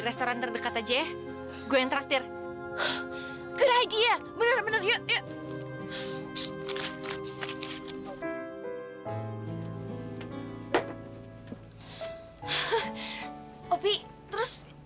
pasaran terdekat aja gue yang traktir kerajaan bener bener yuk yuk opi terus